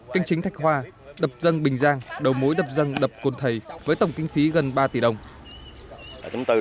canh chính thạch hoa đập dân bình giang đầu mối đập dân đập cồn thầy với tổng kinh phí gần ba tỷ đồng